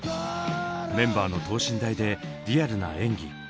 メンバーの等身大でリアルな演技。